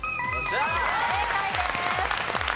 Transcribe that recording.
正解です。